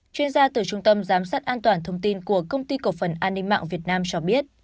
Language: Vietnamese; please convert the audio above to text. chuyên gia từ trung tâm giám sát an toàn thông tin của công ty cộng phần an ninh mạng việt nam cho biết